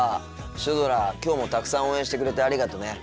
シュドラきょうもたくさん応援してくれてありがとね。